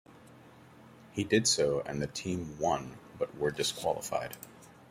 He did so and the team won but were disqualified.